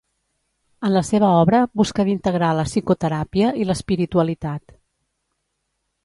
En la seva obra busca d'integrar la psicoteràpia i l'espiritualitat.